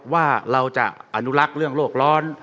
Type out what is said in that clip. ว่าเราจะอนุรักษ์เรื่องโลกร้อน